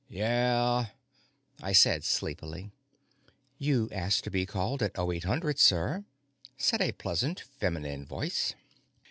"Yeah?" I said sleepily. "You asked to be called at oh eight hundred, sir." said a pleasant feminine voice.